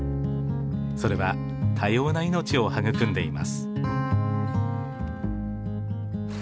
それは多様な命を育んでいます。